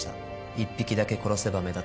１匹だけ殺せば目立つ。